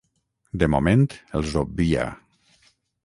De moment els obvia.